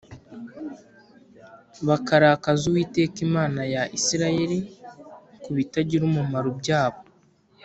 bakarakaza Uwiteka Imana ya Isirayeli ku bitagira umumaro byabo